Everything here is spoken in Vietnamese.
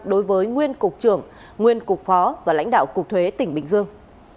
đối với nguyên cục trưởng nguyên cục phó và lãnh đạo cục thuế tỉnh bình dương